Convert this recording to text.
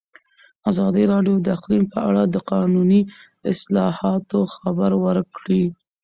ازادي راډیو د اقلیم په اړه د قانوني اصلاحاتو خبر ورکړی.